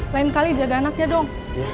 lain kali jaga anaknya dong